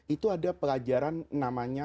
itu ada pelajaran namanya